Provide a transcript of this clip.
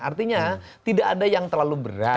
artinya tidak ada yang terlalu berat